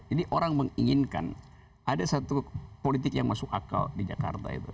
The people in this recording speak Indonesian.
jadi orang menginginkan ada satu politik yang masuk akal di jakarta itu